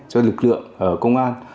cho lực lượng công an